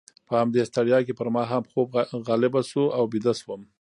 په همدې ستړیا کې پر ما هم خوب غالبه شو او بیده شوم.